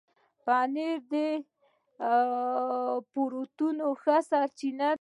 پنېر د پروټين ښه سرچینه ده.